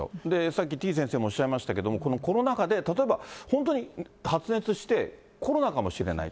さっき、てぃ先生もおっしゃいましたけど、このコロナ禍で例えば本当に発熱してコロナかもしれない。